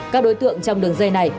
các đối tượng trong đường dây này